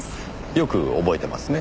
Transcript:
よく覚えてますね。